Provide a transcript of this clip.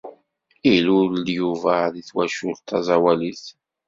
Ilul-d Yuba di twacult taẓawalit.